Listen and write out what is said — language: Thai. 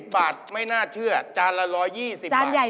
บาทไม่น่าเชื่อจานละ๑๒๐บาท